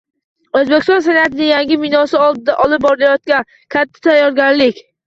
O‘zbekiston Senatining yangi binosi oldida olib borilayotgan katta tayyorgarlik